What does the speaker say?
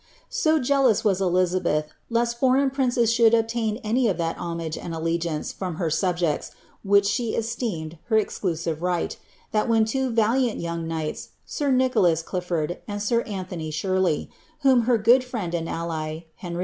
0 jealous was Elizabeth lest foreign princes should obtain any of homage and allegiance from )ier subjects which she esteemed her usive right, that when two valiant young knights, sir Nicholas [brd, and sir Anthony Shirley, whom her good friend and ally, ry IV.